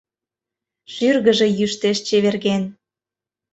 Шӱргыжӧ йӱштеш чеверген.